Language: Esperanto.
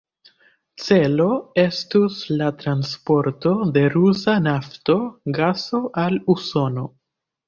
Celo estus la transporto de rusa nafto, gaso al Usono.